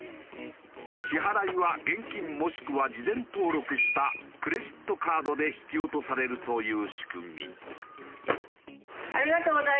支払いは現金もしくは事前登録したクレジットカードで引き落とされるという仕組み。